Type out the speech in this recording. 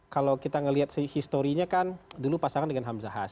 kalau kita ngelihat sehistorinya kan dulu pasangan dengan hamzahas